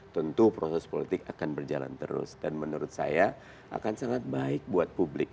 tentu proses politik akan berjalan terus dan menurut saya akan sangat baik buat publik